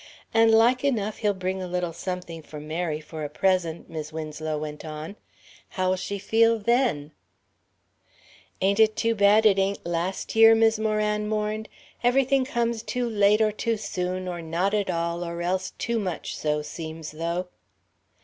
"And like enough he'll bring a little something for Mary for a present," Mis' Winslow went on. "How'll she feel then?" "Ain't it too bad it ain't last year?" Mis' Moran mourned. "Everything comes too late or too soon or not at all or else too much so, 'seems though."